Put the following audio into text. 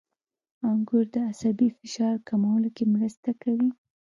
• انګور د عصبي فشار کمولو کې مرسته کوي.